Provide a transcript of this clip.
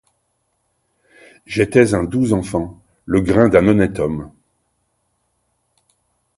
J’étais un doux enfant, le grain d’un honnête homme.